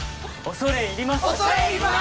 恐れ入ります！